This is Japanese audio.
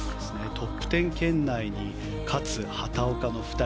トップ１０圏内に勝、畑岡の２人。